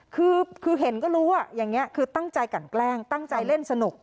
คือเห็นก็รู้อย่างนี้คือตั้งใจกันแกล้งตั้งใจเล่นสนุก